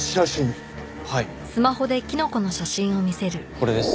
これです。